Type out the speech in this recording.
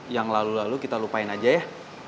yang lalu lalu kita lupain aja ya